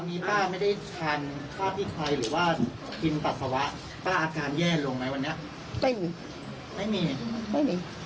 ไม่มีไม่มีไม่มีไม่มีไม่มีไม่มีไม่มี